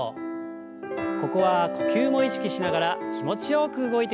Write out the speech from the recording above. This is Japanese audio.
ここは呼吸も意識しながら気持ちよく動いてください。